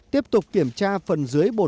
tiếp tục kiểm tra phần dưới bồn cây